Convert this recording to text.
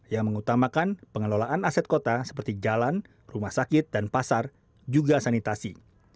yang mengutamakan pengelolaan aset kota seperti jalan rumah sakit dan pasar juga sanitasi